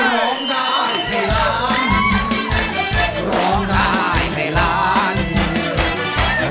ร้องได้ให้ล้านร้องได้ให้ล้าน